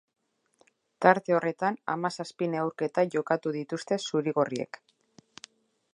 Tarte horretan hamazazpi neurketa jokatu dituzte zuri-gorriek.